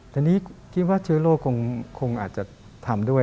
ทีนี้คิดว่าเชื้อโรคคงอาจจะทำด้วย